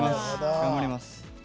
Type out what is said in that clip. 頑張ります。